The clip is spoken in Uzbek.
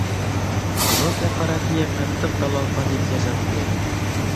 idrok «apparati»ga qattiq talofat yetkazadigan